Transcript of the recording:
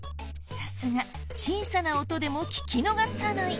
さすが小さな音でも聞き逃さない。